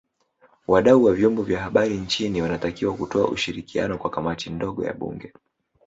Wadau wa Vyombo vya Habari nchini wanatakiwa kutoa ushirikiano kwa Kamati ndogo ya Bunge